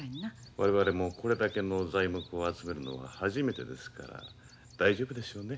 我々もこれだけの材木を集めるのは初めてですから大丈夫でしょうね？